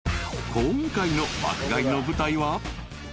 ［今回の爆買いの舞台は］